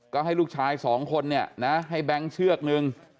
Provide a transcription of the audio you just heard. ก็ให้ลูกชาย๒คนให้แบงค์เชือกหนึ่ง